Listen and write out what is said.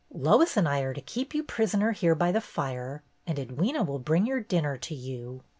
Lois and I are to keep you prisoner here by the fire, and Edwyna will bring your dinner to you."